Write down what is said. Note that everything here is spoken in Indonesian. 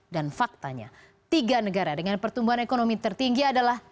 dan faktanya tiga negara dengan pertumbuhan ekonomi tertinggi adalah